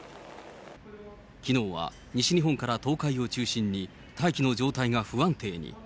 きのうは西日本から東海を中心に大気の状態が不安定に。